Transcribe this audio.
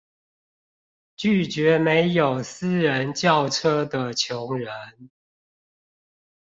阻絕沒有私人轎車的窮人